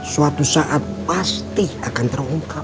suatu saat pasti akan terungkap